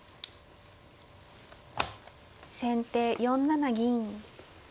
先手４七銀。